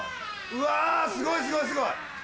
うわすごいすごいすごい。